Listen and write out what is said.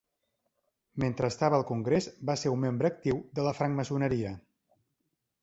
Mentre estava al Congrés, va ser un membre actiu de la francmaçoneria.